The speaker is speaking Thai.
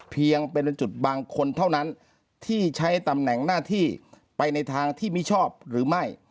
เพียงเป็นจุดบางคนเท่านั้นที่ใช้ตำแหน่งหน้าที่ไปในทางที่มิชอบหรือไม่